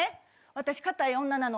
「私堅い女なの。